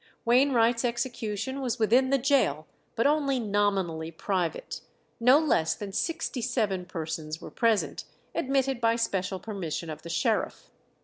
Wainwright's execution was within the gaol, but only nominally private. No less than sixty seven persons were present, admitted by special permission of the sheriff.